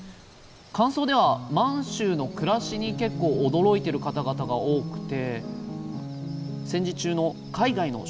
感想では満州の暮らしに結構驚いてる方々が多くて。